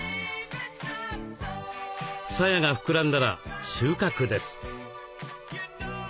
さやが膨らんだら収穫です。